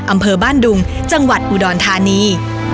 อำเภอบ้านดุงจังหวัดอุดรธานี